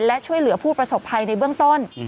และช่วยเหลือผู้ประสบภัยในเบื้องต้น